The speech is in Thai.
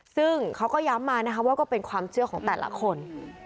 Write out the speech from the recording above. ซึ่งเขาก็ย้ำมานะคะว่าก็เป็นความเชื่อของแต่ละคน